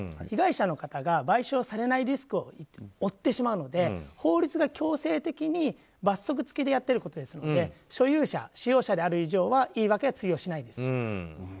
被害者の方が賠償されないリスクを負ってしまうので法律が強制的に罰則付きでやっていることですので所有者、使用者である以上は言い訳は通用しないです。